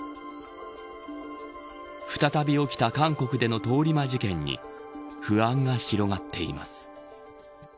再び起きた韓国での通り魔事件に不安が広がっています。